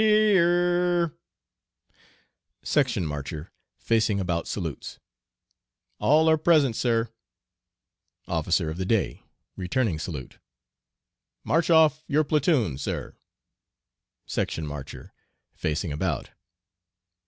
har ar ar! Heer r! Section Marcher (facing about salutes). All are present, sir! Officer of the Day (returning salute). March off your platoon, sir! Section Marcher (facing about).